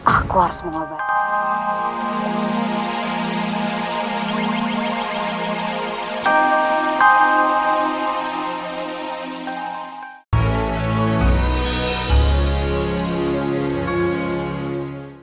aku harus mengobatnya